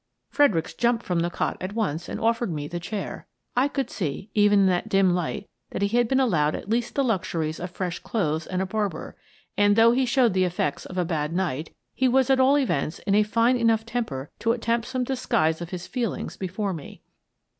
Fredericks jumped from the cot at once and of fered me the chair. I could see, even in that dim light, that he had been allowed at least the luxuries of fresh clothes and a barber, and, though he showed the effects of a bad night, he was at all events in a fine enough temper to attempt some disguise of his feelings before me.